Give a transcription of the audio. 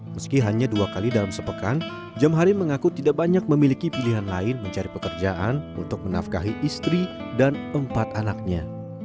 meski hanya dua kali dalam sepekan jam hari mengaku tidak banyak memiliki pilihan lain mencari pekerjaan untuk menafkahi istri dan empat anaknya